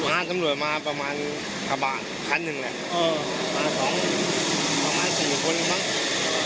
ตำรวจมาประมาณกระบะคันหนึ่งแหละมาสองประมาณสี่คนหนึ่งมั้ง